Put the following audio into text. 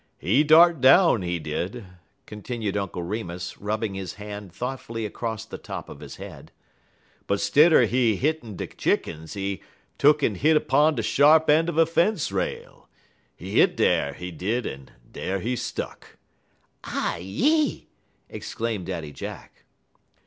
"He dart down, he did," continued Uncle Remus, rubbing his hand thoughtfully across the top of his head, "but stidder he hittin' de chick'ns, he tuck'n hit 'pon de sharp een' un a fence rail. He hit dar, he did, en dar he stuck." "Ah yi ee!" exclaimed Daddy Jack.